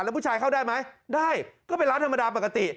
แล้วผู้ชายเข้าได้ไหมได้ก็เป็นร้านธรรมดาปกติ